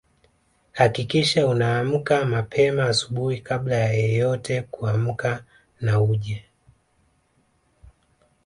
Hakikisha unaamka mapema asubuhi kabla ya yeyote kuamka na uje